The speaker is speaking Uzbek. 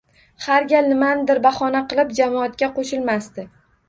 Har gal nimanidir bahona qilib jamoatga qo‘shilmasdi